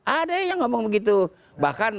ada yang ngomong begitu bahkan